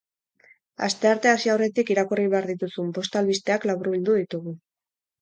Asteartea hasi aurretik irakurri behar dituzun bost albisteak laburbildu ditugu.